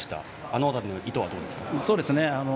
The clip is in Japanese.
あの辺りの意図はどうですか？